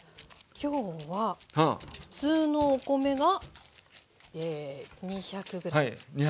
今日は普通のお米が２００ｇ。